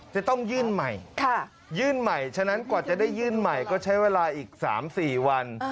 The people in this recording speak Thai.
จะต้องยื่นใหม่ยื่นใหม่ฉะนั้นกว่าจะได้ยื่นใหม่ก็ใช้เวลาอีก๓๔วัน